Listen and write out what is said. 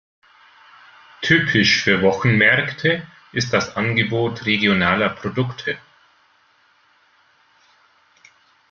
Typisch für Wochenmärkte ist das Angebot regionaler Produkte.